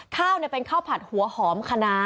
ข้าวเป็นข้าวผัดหัวหอมคณะ